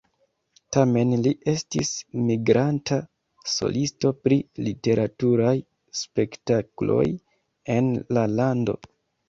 Tamen li estis migranta solisto pri literaturaj spektakloj en la lando.